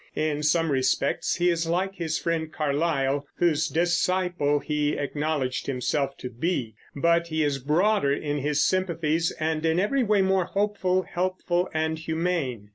In some respects he is like his friend Carlyle, whose disciple he acknowledged himself to be; but he is broader in his sympathies, and in every way more hopeful, helpful, and humane.